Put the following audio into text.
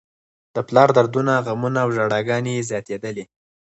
د پلار دردونه، غمونه او ژړاګانې یې زياتېدلې.